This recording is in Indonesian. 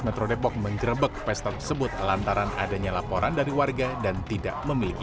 metro depok menjerebek pesta tersebut lantaran adanya laporan dari warga dan tidak memiliki